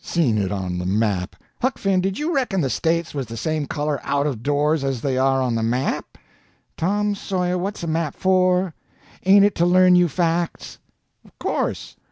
Seen it on the map! Huck Finn, did you reckon the States was the same color out of doors as they are on the map?" "Tom Sawyer, what's a map for? Ain't it to learn you facts?" "Of course."